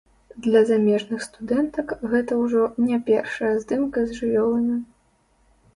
Для замежных студэнтак гэта ўжо не першая здымка з жывёламі.